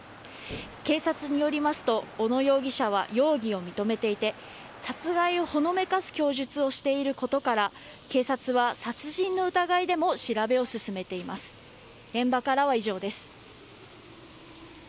警察によりますと小野容疑者は容疑を認めていて殺害をほのめかす供述をしていることから警察は殺人の疑いでも調べを進めています。